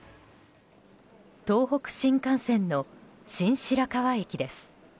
東北新幹線の新白河駅です。